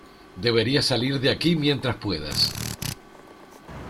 Deberías salir de aquí mientras puedas.